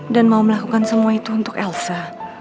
dan mau melakukan semua itu untuk elsa